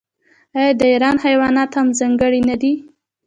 آیا د ایران حیوانات هم ځانګړي نه دي؟